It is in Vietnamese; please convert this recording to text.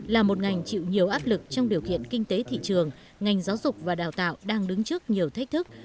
là một ngành chịu nhiều áp lực trong điều kiện kinh tế thị trường ngành giáo dục và đào tạo đang đứng trước nhiều thách thức